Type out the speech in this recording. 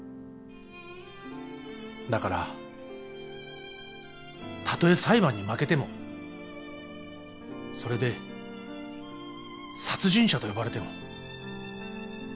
だからたとえ裁判に負けてもそれで殺人者と呼ばれても僕は後悔しない。